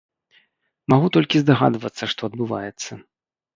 Магу толькі здагадвацца, што адбываецца.